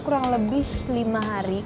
kurang lebih lima hari